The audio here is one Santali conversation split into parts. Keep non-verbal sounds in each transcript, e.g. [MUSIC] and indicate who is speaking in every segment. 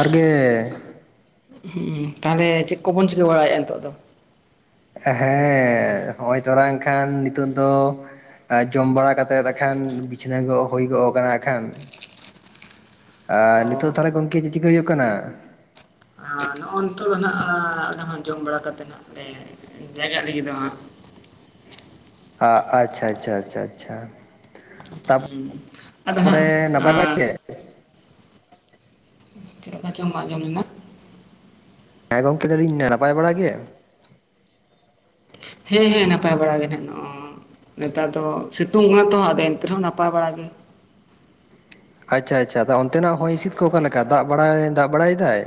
Speaker 1: ᱟᱨᱜᱮ
Speaker 2: ᱦᱩᱸ ᱛᱟᱦᱚᱞᱮ ᱪᱮᱫ ᱠᱚᱵᱚᱱ ᱪᱤᱠᱟᱹ ᱵᱟᱲᱟᱭᱮᱫᱼᱟ ᱱᱤᱛᱚᱜ ᱫᱚ?
Speaker 1: ᱦᱮᱸᱻ ᱱᱚᱜᱼᱚᱭ ᱛᱚᱨᱟᱝ ᱟᱠᱷᱟᱱ ᱱᱤᱛᱚᱜ ᱫᱚ ᱡᱚᱢ ᱵᱟᱲᱟ ᱠᱟᱛᱮᱫ ᱮᱠᱷᱟᱱ ᱵᱤᱪᱷᱱᱟᱹ ᱠᱚ ᱦᱩᱭ ᱜᱚᱜ ᱠᱟᱱᱟ ᱮᱠᱷᱟᱱ ᱟᱨ ᱱᱤᱛᱚᱜ ᱫᱚ
Speaker 2: ᱚ
Speaker 1: ᱛᱟᱦᱚᱞᱮ ᱜᱚᱢᱠᱮ ᱪᱮᱫ ᱪᱤᱠᱟᱹ ᱦᱩᱭᱩᱜ ᱠᱟᱱᱟ?
Speaker 2: ᱱᱚᱜᱼᱚ ᱩᱛᱩ ᱢᱮᱱᱟᱜᱼᱟ ᱟᱠᱷᱟᱱ ᱦᱟᱸᱜ ᱡᱚᱢ ᱵᱟᱲᱟ ᱠᱟᱛᱮᱫ ᱦᱟᱸᱜ ᱞᱮ ᱡᱟᱭᱜᱟᱜ ᱞᱟᱹᱜᱤᱫ ᱫᱚ ᱦᱟᱸᱜ
Speaker 1: ᱟ ᱟᱪᱪᱷᱟ ᱟᱪᱪᱷᱟ ᱟᱪᱪᱷᱟ ᱟᱪᱪᱷᱟ
Speaker 2: ᱦᱩᱸ ᱟᱫᱚ
Speaker 1: ᱛᱟᱨᱯᱚᱨᱮ ᱱᱟᱯᱟᱭ ᱵᱟᱲᱟ
Speaker 2: ᱦᱟᱸᱜ
Speaker 1: ᱦᱮᱸ
Speaker 2: ᱪᱮᱫ ᱪᱚ ᱵᱟᱝ ᱟᱸᱡᱚᱢ ᱞᱮᱱᱟ
Speaker 1: ᱦᱮᱸ ᱜᱚᱢᱠᱮ ᱞᱟᱹᱭ ᱫᱟᱞᱤᱧ ᱱᱟᱯᱟᱭ ᱵᱟᱲᱟ ᱜᱮ
Speaker 2: ᱦᱮᱸ ᱦᱮᱸ ᱱᱟᱯᱟᱭ ᱵᱟᱲᱟᱜ ᱜᱮ ᱱᱮᱛᱟᱨ ᱫᱚ ᱥᱤᱛᱩᱝ ᱠᱟᱱᱟ ᱛᱦᱚᱸ ᱟᱫᱚ ᱮᱱᱛᱮ ᱨᱮᱦᱚᱸ ᱱᱟᱯᱟᱭ ᱵᱟᱲᱟ ᱜᱮ
Speaker 1: ᱟᱪᱪᱷᱟ ᱟᱪᱪᱷᱟ ᱟᱫᱚ ᱚᱱᱛᱮᱱᱟᱜ ᱦᱚᱭ ᱦᱤᱸᱥᱤᱫ ᱠᱚ ᱚᱠᱟ ᱞᱮᱠᱟ ᱫᱟᱜ ᱵᱟᱲᱟᱭ ᱫᱟᱜ ᱵᱟᱲᱟᱭᱮᱫᱟᱭ?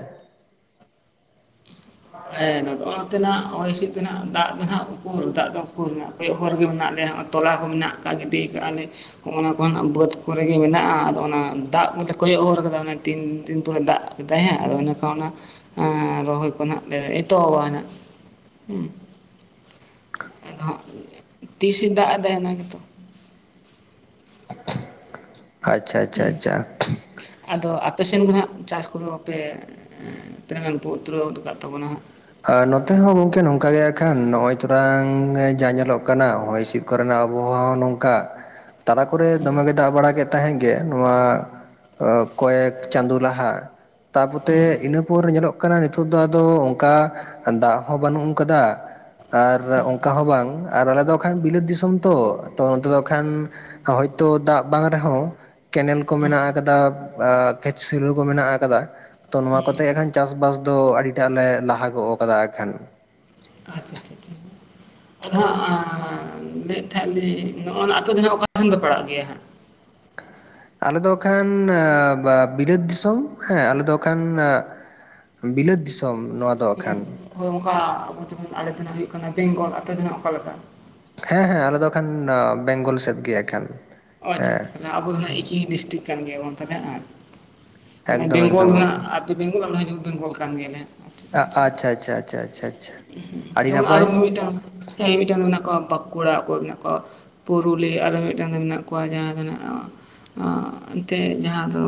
Speaker 2: ᱦᱮᱸ ᱱᱚᱜᱼᱚᱛᱮᱱᱟᱜ ᱦᱚᱭ ᱦᱤᱸᱥᱤᱫ ᱛᱮ ᱫᱟᱜ ᱫᱚ ᱦᱟᱸᱜ ᱩᱠᱩᱨ ᱫᱟᱜ ᱫᱚ ᱩᱠᱩᱨ ᱨᱮᱱᱟᱜ ᱠᱚᱭᱚᱜ ᱦᱚᱨ ᱜᱮ ᱢᱮᱱᱟᱜ ᱞᱮᱭᱟ ᱛᱚᱞᱟ ᱠᱚ ᱢᱮᱱᱟᱜ ᱟᱠᱟᱫ ᱜᱤᱰᱤ ᱟᱠᱟᱫ ᱞᱮ ᱱᱚᱜ ᱚᱱᱟ ᱠᱚᱨᱮᱱᱟᱜ ᱵᱟᱹᱫᱽ ᱠᱚᱨᱮ ᱜᱮ ᱢᱮᱱᱟᱜᱼᱟ ᱟᱫᱚ ᱚᱱᱟ ᱫᱟᱜ ᱠᱚ ᱠᱚᱭᱚᱜ ᱦᱚᱨ ᱠᱟᱫᱟ ᱛᱤᱱ ᱫᱤᱱ ᱯᱚᱨᱮ ᱫᱟᱜ ᱛᱟᱸᱦᱮᱡᱼᱟ ᱟᱫᱚ ᱚᱱᱮ ᱠᱚ ᱚᱱᱟ ᱮᱸ ᱨᱚᱦᱚᱭ ᱠᱚ ᱦᱟᱸᱜ ᱞᱮ ᱮᱛᱚᱦᱚᱵᱟ ᱟᱫᱚ ᱦᱟᱸᱜ ᱛᱤᱥᱮ ᱫᱟᱜ ᱟᱫᱟᱭ ᱚᱱᱟ ᱜᱮᱛᱚ
Speaker 1: ᱟᱪᱷᱟ ᱟᱪᱷᱟ
Speaker 2: ᱦᱩᱸ
Speaker 1: ᱟᱪᱷᱟ
Speaker 2: ᱟᱫᱚ ᱟᱯᱮᱥᱮᱫ ᱫᱚ ᱦᱟᱸᱜ ᱪᱟᱥ ᱠᱚᱫᱚᱯᱮ ᱩᱸᱜ ᱛᱤᱱᱟᱹᱜ ᱜᱟᱱ ᱯᱮ ᱩᱛᱱᱟᱹᱣ ᱠᱟᱜ ᱛᱟᱵᱚᱱᱟ ᱦᱟᱸᱜ?
Speaker 1: ᱟ ᱱᱚᱛᱮ ᱦᱚᱸ ᱜᱚᱝᱠᱮ ᱱᱚᱝᱠᱟ ᱜᱮ ᱟᱜ ᱠᱷᱟᱱ ᱱᱚᱜᱼᱚᱭ ᱛᱚᱨᱟᱝ ᱡᱟ ᱧᱮᱞᱚᱜ ᱠᱟᱱᱟ ᱦᱚᱭ ᱦᱤᱸᱥᱤᱫ ᱠᱚᱨᱮᱱᱟᱜ ᱟᱵᱚᱦᱟᱣᱟ ᱦᱚᱸ ᱱᱚᱝᱠᱟ ᱛᱟᱞᱟ ᱠᱚᱨᱮ ᱫᱚᱢᱮ ᱜᱮ ᱫᱟᱜ ᱵᱟᱲᱟ ᱠᱮᱫ ᱛᱟᱦᱮᱸ ᱜᱮ ᱱᱚᱣᱟ ᱠᱚᱭᱮᱠ ᱪᱟᱸᱫᱳ ᱞᱟᱦᱟ ᱛᱟᱯᱚᱛᱮ ᱤᱱᱟᱹ ᱯᱚᱨ ᱧᱮᱞᱚᱜ ᱠᱟᱱᱟ ᱱᱤᱛᱚᱜ ᱫᱚ ᱟᱫᱚ ᱚᱱᱠᱟ ᱫᱟᱜ ᱦᱚᱸ ᱵᱟᱹᱱᱩᱜ ᱠᱟᱫᱟ ᱟᱨ ᱚᱱᱠᱟ ᱦᱚᱸ ᱵᱟᱝ ᱟᱨ ᱟᱞᱮ ᱫᱚ ᱟᱠᱷᱟᱱ ᱵᱤᱞᱟᱹᱛ ᱫᱤᱥᱚᱢ ᱛᱚ ᱛᱚ ᱚᱱᱛᱮ ᱫᱚ ᱟᱠᱷᱟᱱ ᱦᱚᱭᱛᱳ ᱫᱟᱜ ᱵᱟᱝ ᱨᱮᱦᱚᱸ ᱠᱮᱱᱮᱞ ᱠᱚ
Speaker 2: ᱦᱩᱸ
Speaker 1: ᱢᱮᱱᱟᱜ ᱟᱠᱟᱫᱟ ᱠᱷᱮᱪᱞᱩ ᱠᱚ ᱢᱮᱱᱟᱜ ᱟᱠᱟᱫᱟ ᱛᱚ ᱱᱚᱣᱟ ᱠᱚᱛᱮ ᱟᱠᱷᱟᱱ ᱪᱟᱥᱵᱟᱥ ᱫᱚ ᱟᱹᱰᱤᱴᱟᱜ ᱞᱮ ᱞᱟᱦᱟ ᱜᱚᱫ ᱟᱠᱟᱫᱟ ᱟᱠᱷᱟᱱ
Speaker 2: ᱟᱪᱪᱷᱟ ᱟᱪᱪᱷᱟ ᱟᱫᱚ ᱦᱟᱸᱜ ᱟᱸᱻ ᱞᱟᱹᱭᱮᱫ ᱛᱟᱦᱮᱸᱜ ᱞᱤᱧ ᱱᱚᱜᱼᱚᱭ ᱟᱯᱮ ᱫᱚ ᱱᱟᱜ ᱚᱠᱟ ᱥᱮᱱ ᱯᱮ ᱯᱟᱲᱟᱜ ᱜᱮᱭᱟ ᱦᱟᱸᱜ
Speaker 1: ᱟᱞᱮ ᱫᱚ ᱟᱠᱷᱟᱱ ᱵᱤᱨᱟᱹᱫ ᱫᱤᱥᱚᱢ ᱦᱮᱸ ᱟᱞᱮᱫ ᱫᱚ ᱟᱠᱷᱟᱱ ᱟᱸ ᱵᱤᱞᱟᱹᱛ ᱫᱤᱥᱚᱢ ᱱᱚᱣᱟ ᱫᱚ
Speaker 2: ᱢᱟᱱᱮ
Speaker 1: ᱟᱠᱷᱟᱱ
Speaker 2: ᱦᱳᱭ ᱚᱱᱠᱟ [UNINTELLIGIBLE] ᱟᱞᱮ ᱛᱮ ᱦᱩᱭᱩᱜ ᱠᱟᱱᱟ᱾ ᱟᱯᱮ ᱫᱚ ᱱᱚᱜ ᱚᱠᱟᱮᱠᱟ?
Speaker 1: ᱦᱮᱸ ᱦᱮᱸ ᱟᱞᱮᱚ ᱮᱠᱷᱟᱱ ᱵᱮᱝᱜᱚᱞ ᱥᱮᱫ ᱜᱮ ᱮᱠᱷᱮᱱ᱾
Speaker 2: ᱚᱸ ᱟᱪᱪᱷᱟ ᱛᱟᱦᱞᱮ ᱟᱵᱚ ᱫᱚ ᱦᱟᱸᱜ ᱮᱠᱤ ᱰᱤᱥᱴᱤᱠ ᱠᱟᱱ ᱜᱮᱭᱟ ᱵᱟᱝ ᱛᱟᱦᱚᱞᱮ ᱦᱟᱸᱜ ᱢᱟᱱᱮ
Speaker 1: ᱮᱠᱫᱚᱢ
Speaker 2: ᱵᱮᱝᱜᱚᱞ
Speaker 1: ᱮᱠᱫᱚᱢ ᱜᱚᱢᱠᱮ
Speaker 2: ᱨᱮᱱᱟᱜ ᱵᱮᱝᱜᱚᱞ ᱟᱨ ᱦᱤᱡᱩᱜ ᱵᱮᱝᱜᱚᱞ ᱠᱟᱱ ᱜᱮᱭᱟᱞᱮ ᱦᱟᱜ᱾
Speaker 1: ᱟᱪᱪᱷᱟ ᱟᱪᱪᱷᱟ ᱪᱷᱟ ᱪᱷᱟ ᱪᱷᱟ ᱟᱹᱰᱤ
Speaker 2: ᱡᱮᱢᱚᱱ ᱟᱨᱚ
Speaker 1: ᱱᱟᱯᱟᱭ᱾
Speaker 2: ᱢᱤᱼᱢᱤᱫᱴᱟᱝ ᱦᱮᱸ ᱢᱤᱫᱴᱟᱝ ᱫᱚ ᱢᱮᱱᱟᱜ ᱠᱚᱣᱟ ᱵᱟᱸᱠᱩᱲᱟ, ᱚᱠᱚ ᱢᱮᱱᱟᱜ ᱠᱚᱣᱟ ᱯᱩᱨᱩᱞᱤ ᱟᱨᱚ ᱢᱤᱫᱴᱟᱝ ᱫᱚ ᱢᱮᱱᱟᱜ ᱠᱚᱣᱟ ᱡᱟᱦᱟᱸ ᱫᱚᱱᱟ ᱚᱸ ᱚᱸᱻ ᱮᱱᱛᱮᱫ ᱡᱟᱦᱟᱸ ᱫᱚ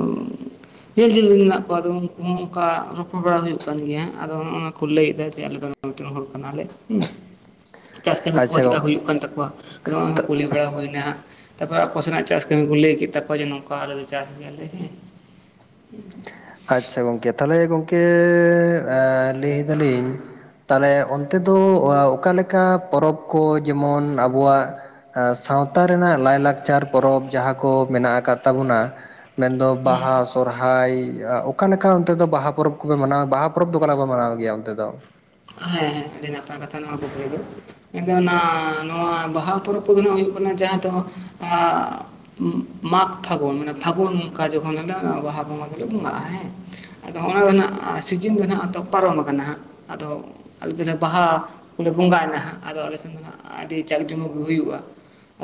Speaker 2: ᱡᱤᱞ ᱡᱷᱟᱹᱞ ᱨᱮ ᱢᱮᱱᱟᱜ ᱠᱚᱣᱟ ᱟᱫᱚ ᱩᱱᱠᱩ ᱦᱚᱸ ᱚᱱᱠᱟ ᱨᱚᱯᱚᱲ ᱵᱟᱲᱟ ᱦᱩᱭᱩᱜ ᱠᱟᱱ ᱜᱮᱭᱟ ᱟᱫᱚᱜ ᱚᱱᱟ ᱠᱚ ᱞᱟᱹᱭ ᱮᱫᱟ ᱡᱮ ᱟᱞᱮ ᱫᱚ ᱢᱤᱫᱴᱮᱱ ᱦᱚᱲ ᱠᱟᱱᱟᱞᱮ᱾
Speaker 1: [INAUDIBLE]
Speaker 2: ᱪᱟᱥ ᱠᱟᱹᱢᱤ ᱠᱚᱦᱚᱸ
Speaker 1: ᱟᱪᱪᱷᱟ
Speaker 2: ᱪᱮᱫᱠᱟ
Speaker 1: ᱜᱚᱢᱠᱮ
Speaker 2: ᱦᱩᱭᱩᱜ ᱠᱟᱱ ᱛᱟᱠᱚᱣᱟ᱾ ᱟᱫᱚ ᱱᱚᱜ ᱠᱩᱞᱤ ᱵᱟᱲᱟ ᱦᱩᱭᱱᱟ ᱦᱟᱜ᱾ ᱛᱟᱯᱚᱨᱮ ᱟᱠᱳᱥᱮᱱᱟᱜ ᱪᱟᱥ ᱠᱟᱹᱢᱤ ᱠᱚ ᱞᱮᱭ ᱠᱮᱫ ᱛᱟᱠᱚᱭᱟ᱾ᱡᱮ ᱱᱚᱝᱠᱟ ᱟᱞᱮ ᱞᱮ ᱪᱟᱥ ᱜᱮᱭᱟᱞᱮ ᱦᱮᱸ᱾ [INAUDIBLE]
Speaker 1: ᱟᱪᱪᱷᱟ ᱜᱚᱝᱠᱮ ᱛᱟᱦᱚᱞᱮ ᱜᱚᱝᱠᱮ ᱮᱸ ᱞᱮᱭ ᱫᱟᱞᱤᱧ ᱛᱟᱦᱚᱞᱮ ᱚᱱᱛᱮ ᱫᱚ ᱚᱠᱟᱞᱮᱠᱟ ᱯᱚᱨᱚᱵᱽ ᱠᱚ ᱡᱮᱢᱚᱱ ᱟᱵᱚᱣᱟᱜ ᱥᱟᱶᱛᱟ ᱨᱮᱱᱟᱜ ᱞᱟᱭᱼᱞᱟᱠᱪᱟᱨ ᱯᱚᱨᱚᱵᱽ ᱡᱟᱦᱟᱸ ᱠᱚ ᱢᱮᱱᱟᱜ ᱟᱠᱟᱫ ᱛᱟᱵᱚᱱᱟ᱾ ᱢᱮᱱᱫᱚ ᱵᱟᱦᱟ ᱥᱚᱨᱦᱟᱭ ᱚᱠᱟ ᱞᱮᱠᱟ ᱚᱱᱛᱮ ᱫᱚ ᱵᱟᱦᱟ ᱯᱚᱨᱚᱵᱽ ᱠᱚᱯᱮ ᱢᱟᱱᱟᱣᱟ᱾ ᱵᱟᱦᱟ ᱯᱚᱨᱚᱵᱽ ᱫᱚ ᱚᱠᱟ ᱞᱮᱠᱟᱯᱮ ᱢᱟᱱᱟᱣ ᱜᱮᱭᱟ ᱚᱱᱛᱮ ᱫᱚ?
Speaker 2: ᱦᱮᱸ ᱦᱮᱸ ᱟᱹᱰᱤ ᱱᱟᱯᱟᱭ ᱠᱟᱛᱷᱟ ᱱᱚᱣᱟ ᱠᱩᱠᱞᱤ ᱫᱚ᱾ ᱟᱫᱚ ᱚᱱᱟ ᱱᱚᱣᱟ ᱵᱟᱦᱟ ᱯᱚᱨᱚᱵᱽ ᱠᱚᱫᱚ ᱱᱟᱸᱜ ᱦᱩᱭᱩᱜ ᱠᱟᱱᱟ ᱡᱟᱦᱟᱸ ᱫᱚ ᱟᱸᱻ ᱢᱟᱜᱽ ᱯᱷᱟᱹᱜᱩᱱ ᱢᱟᱱᱮ ᱯᱷᱟᱹᱜᱩᱱ ᱚᱱᱠᱟ ᱡᱚᱠᱷᱚᱱ ᱟ ᱵᱟᱦᱟ ᱵᱚᱸᱜᱟ ᱜᱮᱞᱮ ᱵᱚᱸᱜᱟᱜᱼᱟ᱾ ᱦᱮᱸ ᱟᱫᱚ ᱚᱱᱟ ᱫᱚ ᱦᱚᱸᱜ ᱥᱤᱡᱤᱱ ᱫᱚ ᱱᱟᱸᱜ ᱟᱫᱚ ᱯᱟᱨᱚᱢ ᱠᱟᱱᱟ ᱦᱟᱸᱜ᱾ ᱟᱫᱚ ᱟᱞᱮ ᱫᱚᱞᱮ ᱵᱟᱦᱟ ᱠᱚᱞᱮ ᱵᱚᱸᱜᱟᱭᱮᱱᱟ ᱦᱟᱸᱜ ᱟᱫᱚ ᱟᱞᱮᱥᱮᱱ ᱫᱚ ᱱᱟᱜ- ᱟᱹᱰᱤ ᱪᱟᱠ ᱡᱚᱢᱚᱠ ᱜᱮ ᱦᱩᱭᱩᱜᱼᱟ᱾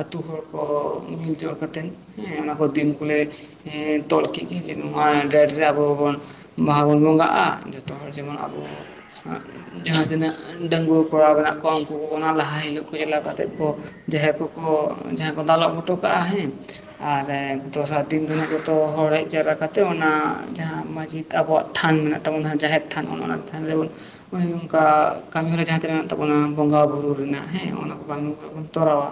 Speaker 2: ᱟᱛᱳ ᱦᱚᱲ ᱠᱚ ᱦᱚᱸ ᱢᱤᱞ ᱡᱚᱲ ᱠᱟᱛᱮᱫ ᱦᱮᱸ ᱚᱱᱟ ᱠᱚ ᱫᱤᱱ ᱠᱚᱞᱮ ᱛᱚᱞᱠᱮᱜ ᱜᱮ ᱡᱮ ᱱᱚᱣᱟ ᱰᱮᱴ ᱨᱮ ᱟᱵᱚ ᱵᱚᱱ ᱵᱟᱦᱟ ᱵᱚᱱ ᱵᱚᱸᱜᱟᱜᱼᱟ ᱾ ᱡᱚᱛᱚ ᱦᱚᱲ ᱡᱮᱢᱚᱱ ᱟᱵᱚ ᱟᱸᱜ ᱡᱟᱦᱟᱸᱛᱤᱱᱟᱹᱜ ᱰᱟᱺᱜᱩᱟᱹ ᱠᱚᱲᱟ ᱢᱮᱱᱟᱜ ᱠᱚᱣᱟ ᱩᱝᱠᱩ ᱠᱚᱠᱚ ᱱᱟᱜ ᱞᱟᱦᱟ ᱦᱤᱞᱳᱜ ᱠᱚ ᱪᱟᱞᱟᱣ ᱠᱟᱛᱮᱜ ᱠᱚ ᱡᱟᱦᱟᱸᱭ ᱠᱚᱠᱚ ᱡᱟᱦᱟᱸ ᱠᱚ ᱫᱟᱞᱚᱵ ᱦᱚᱴᱚ ᱠᱟᱜᱼᱟ ᱦᱮᱸ ᱟᱨ ᱮᱸ ᱫᱚᱥᱟᱨ ᱫᱤᱱ ᱫᱚ ᱱᱟᱜ ᱡᱚᱛᱚ ᱦᱚᱲ ᱦᱮᱡ ᱡᱟᱣᱨᱟ ᱠᱟᱛᱮᱜ ᱚᱱᱟ ᱡᱟᱦᱟᱸ ᱢᱟᱹᱡᱷᱤ ᱟᱵᱚᱣᱟᱜ ᱛᱷᱟᱱ ᱢᱮᱱᱟᱜ ᱛᱟᱵᱚᱱᱟ᱾ ᱡᱟᱦᱮᱨ ᱛᱷᱟᱱ ᱚᱱ ᱚᱱᱟ ᱛᱷᱟᱱ ᱨᱮᱵᱚᱱ ᱚᱭ ᱱᱚᱝᱠᱟ ᱠᱟᱹᱢᱤᱦᱚᱨᱟ ᱡᱟᱦᱟᱸ ᱛᱤᱱᱟᱹᱜ ᱛᱟᱵᱚᱱᱟ ᱵᱚᱸᱜᱟ ᱵᱩᱨᱩ ᱨᱮᱱᱟᱜ ᱦᱮᱸ ᱚᱱᱟ ᱠᱚ ᱵᱟᱝ ᱵᱚᱱ ᱱᱟᱜ ᱵᱚᱱ ᱛᱚᱨᱟᱣᱟ᱾